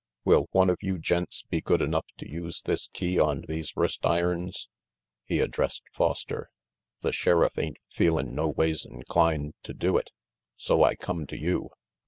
"Will one of you gents be good enough to use this key on these wrist irons?" he addressed Foster. "The Sheriff ain't feelin' noways inclined to do it, so I come to you."